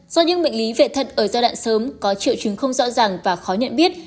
do những bệnh lý vệ thận ở giai đoạn sớm có triệu chứng không rõ ràng và khó nhận biết